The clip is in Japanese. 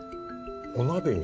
お鍋に？